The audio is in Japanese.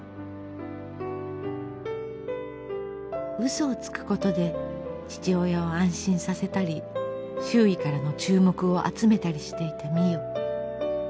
嘘をつくことで父親を安心させたり周囲からの注目を集めたりしていた美世。